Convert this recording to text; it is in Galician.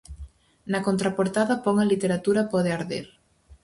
Na contraportada pon "A literatura pode arder".